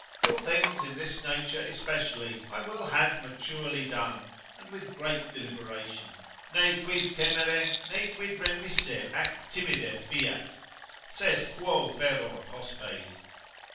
All things in this nature especially I will have maturely done, and with great deliberation: ne quid temere, ne quid remisse ac timide fiat; Sid quo feror hospes?